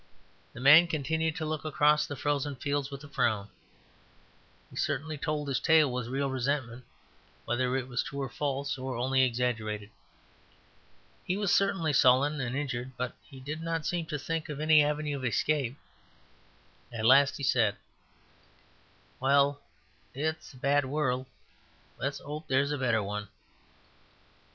The man continued to look across the frozen fields with a frown. He certainly told his tale with real resentment, whether it was true or false, or only exaggerated. He was certainly sullen and injured; but he did not seem to think of any avenue of escape. At last he said: "Well, it's a bad world; let's 'ope there's a better one."